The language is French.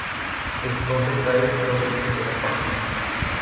Elles sont détaillées sur le site de la faculté.